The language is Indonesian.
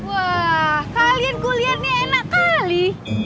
wah kalian kuliah ini enak kali